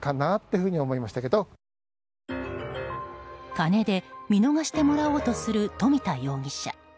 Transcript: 金で見逃してもらおうとする冨田容疑者。